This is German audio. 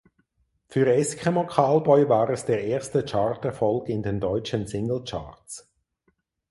Für Eskimo Callboy war es der erste Charterfolg in den deutschen Singlecharts.